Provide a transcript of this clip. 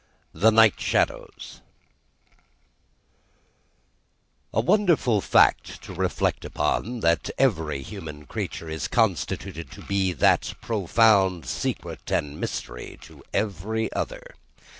The Night Shadows A wonderful fact to reflect upon, that every human creature is constituted to be that profound secret and mystery to every other.